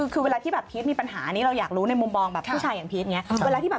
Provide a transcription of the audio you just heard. คือเวลาที่เพฤตมีปัญหานี้เราอยากรู้ในมุมบองชีวิตของยังปะฬีไหว